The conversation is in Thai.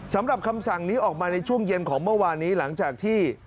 สำหรับคำสั่งนี้ออกมาในช่วงเย็นของเมื่อวานนี้หลังจากที่